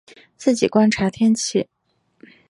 自己观察天气